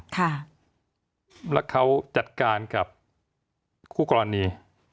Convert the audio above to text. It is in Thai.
แล้วเขาจัดการกับคู่กรณี